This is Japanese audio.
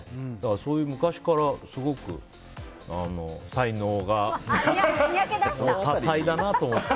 そういう昔から、すごく才能があって多才だなと思って。